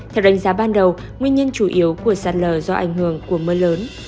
theo đánh giá ban đầu nguyên nhân chủ yếu của sát lờ do ảnh hưởng của mưa lớn